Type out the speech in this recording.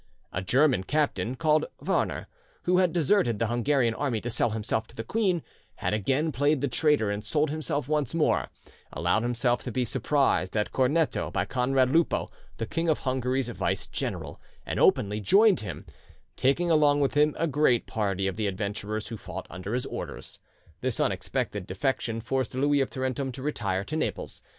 A German captain called Warner, who had deserted the Hungarian army to sell himself to the queen, had again played the traitor and sold himself once more, allowed himself to be surprised at Corneto by Conrad Lupo, the King of Hungary's vicar general, and openly joined him, taking along with him a great party of the adventurers who fought under his orders. This unexpected defection forced Louis of Tarentum to retire to Naples.